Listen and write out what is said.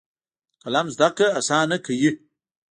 قلم زده کړه اسانه کوي.